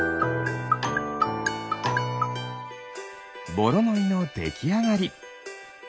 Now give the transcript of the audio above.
ボロノイのできあがり。